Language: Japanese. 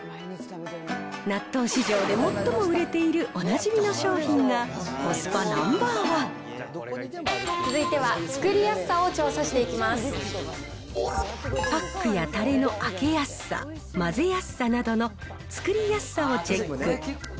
納豆市場で最も売れているおなじみの商品が、続いては作りやすさを調査しパックやたれの開けやすさ、混ぜやすさなどの作りやすさをチェック。